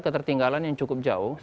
ketertinggalan yang cukup jauh